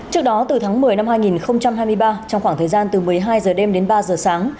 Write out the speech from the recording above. trước đó từ tháng một mươi năm hai nghìn hai mươi ba trong khoảng thời gian từ một mươi hai giờ đêm đến ba giờ sáng